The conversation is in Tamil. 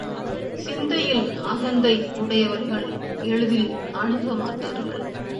சிந்தையில் அகந்தை உடையவர்கள் எளிதில் அணுகமாட்டார்கள்.